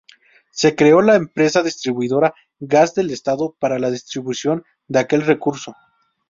Se creó la empresa distribuidora Gas del Estado, para la distribución de aquel recurso.